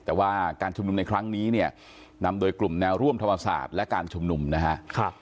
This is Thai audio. แต่ว่าการชุมนุมในครั้งนี้เนี่ยนำโดยกลุ่มแนวร่วมธรรมศาสตร์และการชุมนุมนะครับ